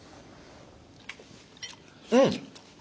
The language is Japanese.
うん！